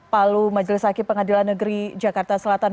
palu majelis hakim pengadilan negeri jakarta selatan